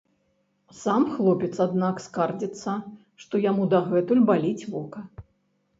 Сам хлопец, аднак, скардзіцца, што яму дагэтуль баліць вока.